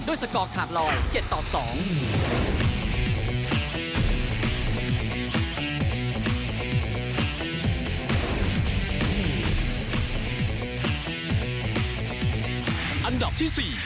ด้วยสกอร์คถามรอย๗ต่อ๒